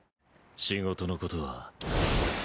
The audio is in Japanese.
「仕事のことは」